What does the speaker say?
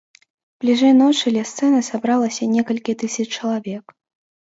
Бліжэй ночы ля сцэны сабралася некалькі тысяч чалавек.